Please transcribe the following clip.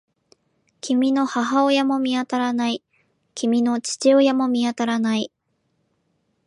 君の母親も見当たらない。君の父親も見当たらない。